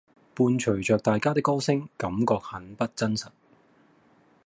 伴隨著大家的歌聲，感覺很不真實